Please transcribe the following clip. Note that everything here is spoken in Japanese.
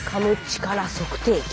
力測定器。